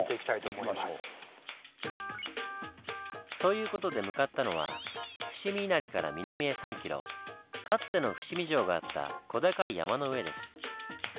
行きましょう。という事で向かったのは伏見稲荷から南へ３ｋｍかつての伏見城があった小高い山の上です。